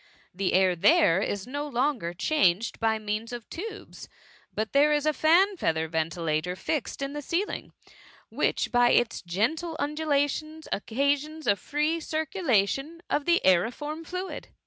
The air there is no longer changed by means of tubes — but there is a fan feather ventilator fixed in the ceiling, which by its gentle undulations occa* sions a free circulation of the aeriform fluid.